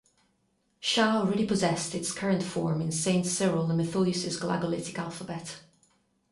Sha already possessed its current form in Saints Cyril and Methodius's Glagolitic alphabet.